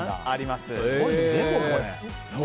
すごいね、これレゴ？